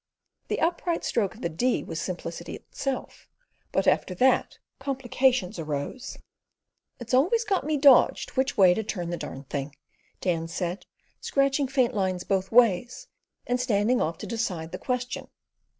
The upright stroke of the D was simplicity itself, but after that complications arose. "It's always got me dodged which way to turn the darned thing," Dan said, scratching faint lines both ways, and standing off to decide the question.